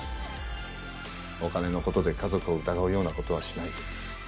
お金の事で家族を疑うような事はしない。